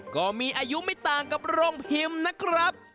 ก็มีอายุไม่ต่างกับโรงพิมพ์นะครับ